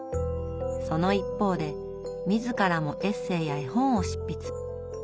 その一方で自らもエッセーや絵本を執筆。